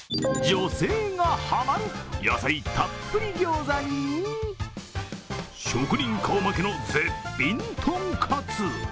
女性がハマる、野菜たっぷりギョーザに職人顔負けの絶品とんかつ。